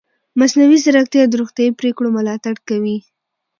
مصنوعي ځیرکتیا د روغتیايي پریکړو ملاتړ کوي.